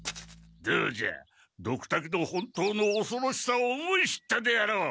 どうじゃドクタケの本当のおそろしさを思い知ったであろう。